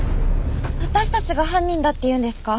私たちが犯人だっていうんですか？